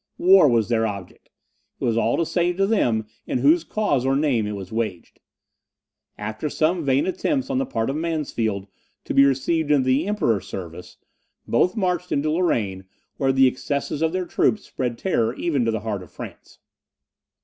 War was their object; it was all the same to them in whose cause or name it was waged. After some vain attempts on the part of Mansfeld to be received into the Emperor's service, both marched into Lorraine, where the excesses of their troops spread terror even to the heart of France.